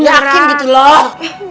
yakin gitu loh